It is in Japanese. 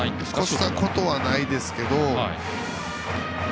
越したことはないですけど。